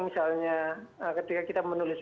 misalnya ketika kita menulis